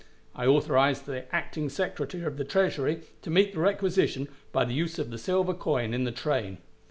I authorized the acting Secretary of the Treasury to meet the requisition by the use of the silver coin in the train.